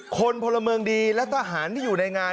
พลเมืองดีและทหารที่อยู่ในงาน